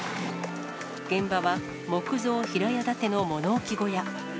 現場は木造平屋建ての物置小屋。